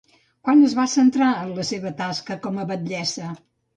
Quan es va centrar en la seva tasca com a batllessa?